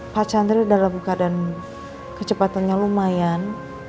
pak chandra dalam keadaan kecepatannya lumayan